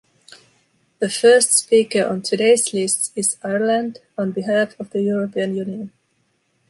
The first speaker on today’s list is Ireland on behalf of the European Union.